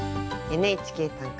「ＮＨＫ短歌」。